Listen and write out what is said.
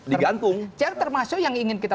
digantung terutama yang ingin kita